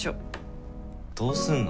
どうすんの？